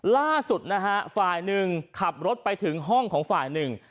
ล่าสุดนะฮะฝ่ายหนึ่งขับรถไปถึงห้องของฝ่ายหนึ่ง